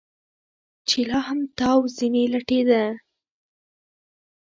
چې لا هم تاو ځنې لټېده.